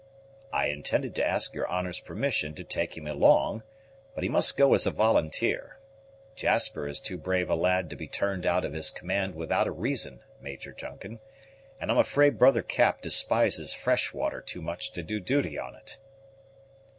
"I intended to ask your honor's permission to take him along; but he must go as a volunteer. Jasper is too brave a lad to be turned out of his command without a reason, Major Duncan; and I'm afraid brother Cap despises fresh water too much to do duty on it."